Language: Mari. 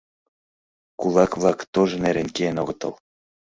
Кулак-влак тоже нерен киен огытыл.